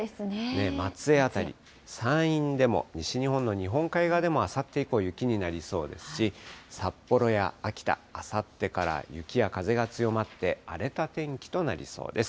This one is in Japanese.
松江辺り、山陰でも西日本の日本海側でも、あさって以降、雪になりそうですし、札幌や秋田、あさってから雪や風が強まって、荒れた天気となりそうです。